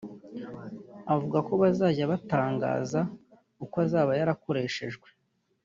avuga ko bazajya banatangaza uko azaba yarakoreshejwe